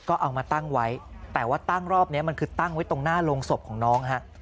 ก็เอามาตั้งไว้แต่ว่าตั้งรอบนี้มันคือตั้งไว้ตรงหน้าโรงศพของน้องฮะ